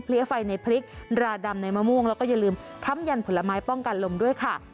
ไฟในพริกราดำในมะม่วงแล้วก็อย่าลืมค้ำยันผลไม้ป้องกันลมด้วยค่ะ